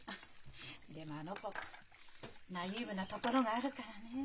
でもあの子ナイーブなところがあるからねえ。